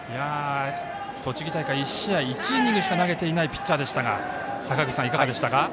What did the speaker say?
栃木大会、１試合１イニングしか投げていないピッチャーでしたが坂口さん、いかがでしたか？